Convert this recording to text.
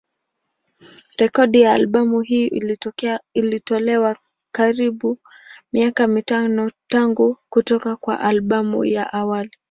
Rekodi ya albamu hii ilitolewa karibuni miaka mitano tangu kutoka kwa albamu ya awali.